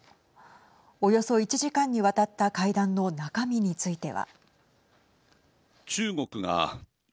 およそ１時間にわたった会談の中身については。